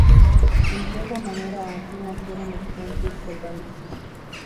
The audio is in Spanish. En cierta manera así nacieron los puentes colgantes.